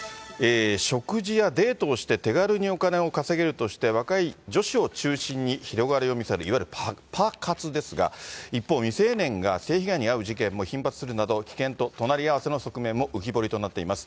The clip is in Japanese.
食事やデートをして手軽にお金を稼げるとして、若い女子を中心に広がりを見せる、いわゆるパパ活ですが、一方、未成年が性被害に遭う危険も頻発するなど、危険と隣り合わせの側面も浮き彫りとなっています。